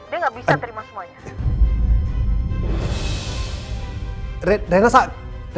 dia nggak bisa terima semuanya